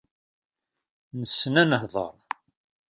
Nessen an-nehder.